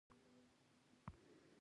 ګلداد وویل: نو که سپی نه وي.